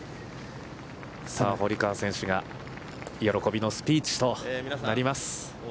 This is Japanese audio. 堀川選手が喜びのスピーチとなります。